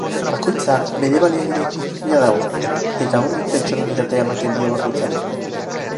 Bakoitza bere baliabideekin egina dago, eta horrek pertsonalitatea ematen dio bakoitzari.